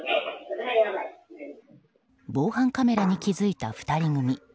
防犯カメラに気付いた２人組。